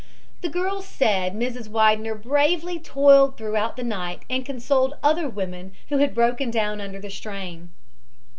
The girl said Mrs. Widener bravely toiled throughout the night and consoled other women who had broken down under the strain.